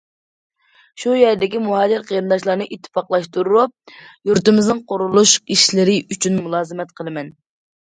شۇ يەردىكى مۇھاجىر قېرىنداشلارنى ئىتتىپاقلاشتۇرۇپ، يۇرتىمىزنىڭ قۇرۇلۇش ئىشلىرى ئۈچۈن مۇلازىمەت قىلىمەن.